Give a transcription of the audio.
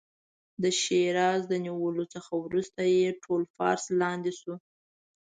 د شیراز د نیولو څخه وروسته یې ټول فارس لاندې شو.